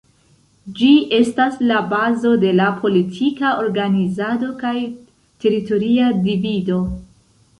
Ĝi estas la bazo de la politika organizado kaj teritoria divido.